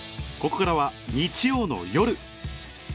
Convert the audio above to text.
ここからは日曜の夜